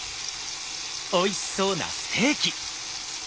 おいしそうなステーキ？